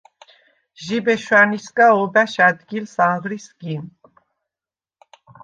ჟიბე შვა̈ნისგა ობა̈შ ა̈დგილს ანღრი სგიმ.